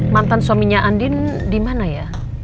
mantan suaminya andin di mana ya